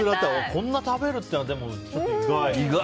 こんな食べるっていうのは意外。